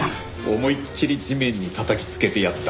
思いっきり地面に叩きつけてやった。